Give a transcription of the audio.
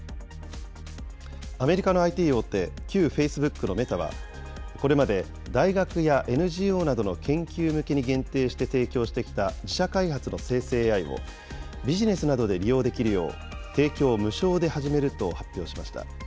アメリカのＩＴ大手、旧フェイスブックのメタは、これまで大学やＮＧＯなどの研究向けに限定して提供してきた自社開発の生成ＡＩを、ビジネスなどで利用できるよう、提供を無償で始めると発表しました。